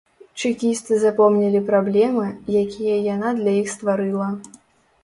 Чэкісты запомнілі праблемы, якія яна для іх стварыла.